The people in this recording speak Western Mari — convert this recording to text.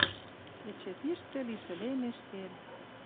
Эче тиштӹ лишӹлемеш тел.